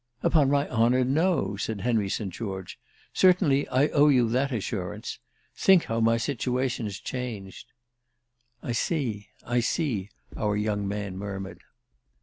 "Upon my honour, no," said Henry St. George. "Certainly I owe you that assurance. Think how my situation has changed." "I see—I see," our young man murmured.